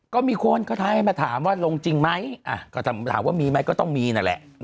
ก็มีคนเขาท้าให้มาถามว่าลงจริงไหมก็ถามว่ามีไหมก็ต้องมีนั่นแหละ